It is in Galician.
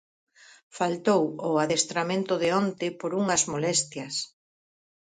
Faltou o adestramento de onte por unhas molestias.